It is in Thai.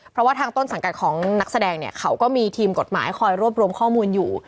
เพราะว่าทางต้นสังกัดของนักแสดงเนี่ยเขาก็มีทีมกฎหมายคอยรวบรวมข้อมูลอยู่